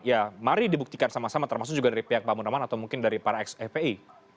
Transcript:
ya mari dibuktikan sama sama termasuk juga dari pihak pak munaman atau mungkin dari para ex fpi